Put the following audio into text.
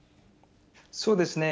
そうですね。